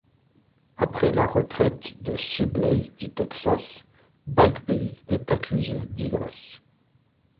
Après la retraite de Sibley du Texas, Bagby est accusé d'ivresse.